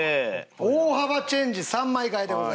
大幅チェンジ３枚替えでございます。